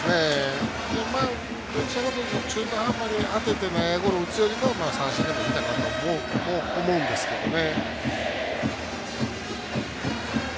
どちらかというと中途半端に当てて内野ゴロを打つよりかは三振でもいいかなと思うんですけどね。